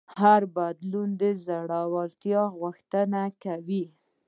هر بدلون د زړهورتیا غوښتنه کوي.